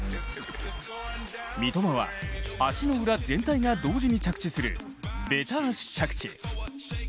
三笘は、足の裏全体が同時に着地するべた足着地。